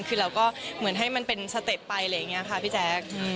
คือเราก็เหมือนให้มันเป็นสเต็ปไปอะไรอย่างนี้ค่ะพี่แจ๊ค